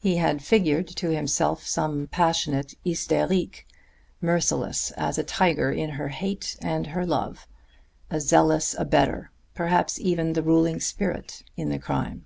He had figured to himself some passionate hystérique, merciless as a tiger in her hate and her love, a zealous abettor, perhaps even the ruling spirit in the crime.